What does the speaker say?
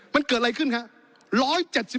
มันเกิดอะไรขึ้นครับ